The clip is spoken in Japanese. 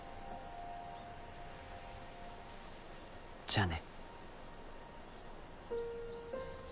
じゃあね。